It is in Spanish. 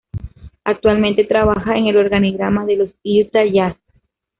Actualmente trabaja en el organigrama de los Utah Jazz.